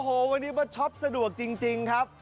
โอ้โหวันนี้ว่าช็อปสะดวกจริงครับ